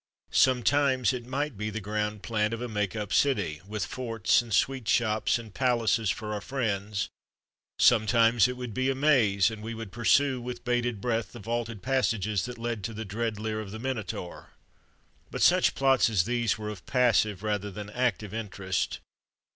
Sometimes it might be the ground plan of a make up city, with forts and sweet shops and palaces for our friends ; sometimes it would be a maze, and we would pursue, with bated breath, the vaulted passages that led to the dread lair of the Minotaur. But such plots as these were of passive, rather than active, interest.